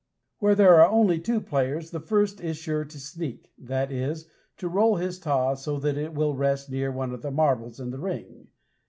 Where there are only two players, the first is sure to "sneak," that is, to roll his taw so that it will rest near one of the marbles in the ring.